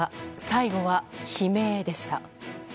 最後は悲鳴でした。